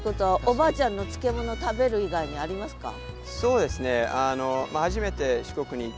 おばあちゃんの漬物食べる以外にありますか？